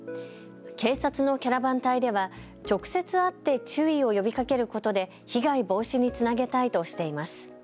警察のキャラバン隊では直接会って注意を呼びかけることで被害防止につなげたいとしています。